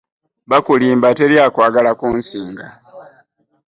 Bakulimba teri akwagala kunsinga.